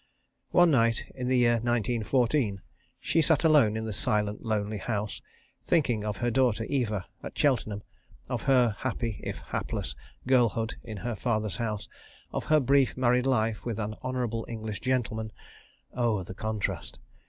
... One night, in the year 1914, she sat alone in the silent lonely house, thinking of her daughter Eva at Cheltenham, of her happy, if hapless, girlhood in her father's house, of her brief married life with an honourable English gentleman (oh, the contrast!)